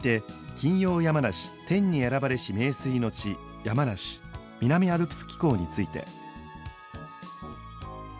金曜やまなし「天に選ばれし名水の地山梨南アルプス紀行」について。